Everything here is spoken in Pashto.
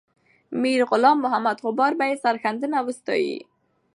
میرغلام محمد غبار به یې سرښندنه وستایي.